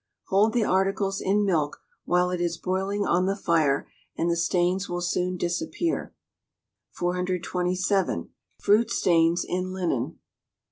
Hold the articles in milk while it is boiling on the fire, and the stains will soon disappear. 427. Fruit Stains in Linen.